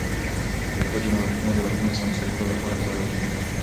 د ښځو نوښتونه د وطن د سمسورتیا لپاره کارول کېږي.